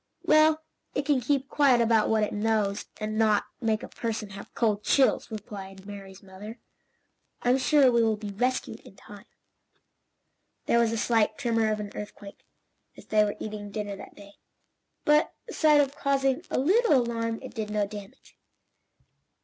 "Well it can keep quiet about what it knows, and not make a person have cold chills," replied Mary's mother. "I'm sure we will be rescued in time." There was a slight tremor of an earthquake, as they were eating dinner that day, but, aside from causing a little alarm it did no damage.